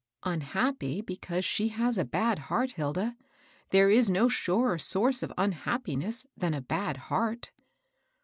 " Unhappy, because she has a bad heart, Hilda. There is no surer source of unhappiness than a bad heart."